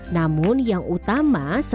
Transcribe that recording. namun yang utama